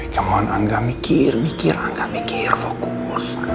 come on angga mikir mikir angga mikir fokus